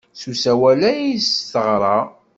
S usawal ay as-teɣra.